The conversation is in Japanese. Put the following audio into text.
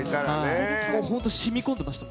本当しみこんでました